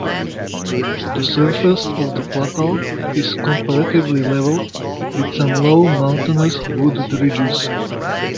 The surface of the plateau is comparatively level, with some low mountainous wooded ridges.